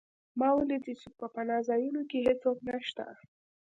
ما ولیدل چې په پناه ځایونو کې هېڅوک نشته